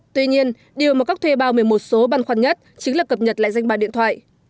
tuy nhiên điều mà các thuê bao một mươi một số băn khoăn nhất chính là cập nhật lại danh bạc điện thoại